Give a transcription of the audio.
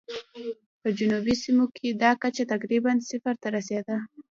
په جنوبي سیمو کې دا کچه تقریباً صفر ته رسېده.